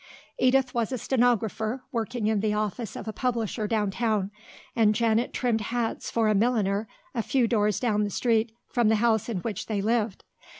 Edith was a stenographer, working in the office of a publisher down town, and Janet trimmed hats for a milliner a few doors down the street from the house in which they lived.